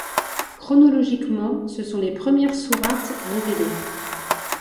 Chronologiquement, ce sont les premières sourates révélées.